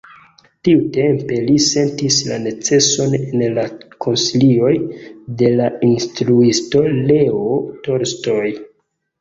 Tiutempe li sentis la neceson en la konsilioj de lia instruisto Leo Tolstoj.